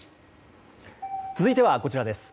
続いては、こちらです。